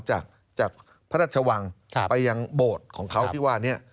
จากพระราชวังไปยังโบสถ์ของเขาที่ว่านี้